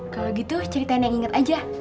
kalau gitu ceritain yang inget aja